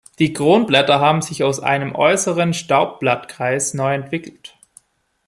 Die Kronblätter haben sich aus einem äußeren Staubblattkreis neu entwickelt.